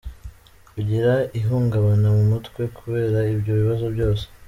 Kugira ihungabana mu mutwe kubera ibyo bibazo byose.